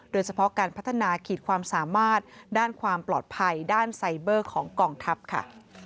โดยเฉพาะการพัฒนาขีดความสามารถด้านความปลอดภัยด้านไซเบอร์ของกองทัพค่ะ